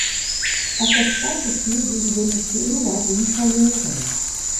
Auch das zweite Spiel gegen Venezuela ging verloren.